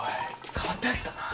変わったヤツだな。